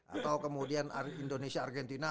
atau kemudian indonesia argentina